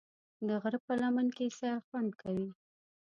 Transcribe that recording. د غره په لمن کې سیل خوند کوي.